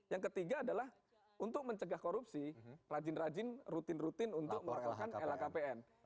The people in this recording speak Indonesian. yang ketiga adalah untuk mencegah korupsi rajin rajin rutin rutin untuk melakukan lhkpn